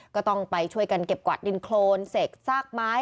ก็ต้องไปช่วยกันเก็บกวาดดินโครนเสกซากไม้